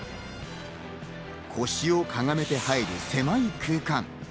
腰をかがめて入る狭い空間。